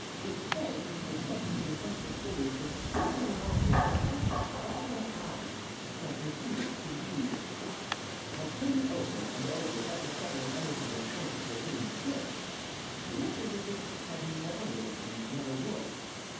Its head, which was set between hunched up shoulders* was chiefly remarkable for a pair of sparkling eyes, which I concluded to be beads, I turned it over and over without discovering anything which pointed to a hidden spring* It looked as if it had never moved, and never would.